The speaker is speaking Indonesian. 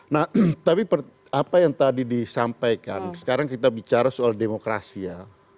nah tapi apa yang tadi disampaikan sekarang kita bicara soal demokrasi ya